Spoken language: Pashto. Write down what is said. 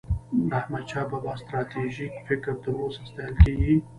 د احمدشاه بابا ستراتیژيک فکر تر اوسه ستایل کېږي.